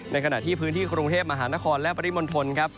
ในขณะที่พื้นที่คลุงเทพมหานครและปริมลทน